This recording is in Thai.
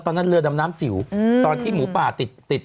ตอนนั้นเรือน้ำน้ำจิ๋วตอนที่หมูป่าติด